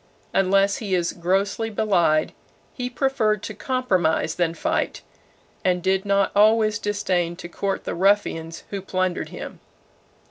Unless he is grossly belied, he preferred to compromise than fight, and did not always disdain to court the ruffians who plundered him.